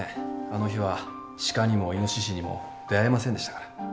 あの日は鹿にもイノシシにも出会えませんでしたから。